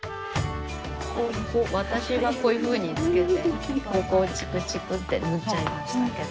私はこういうふうにつけてここをちくちくって縫っちゃいましたけど。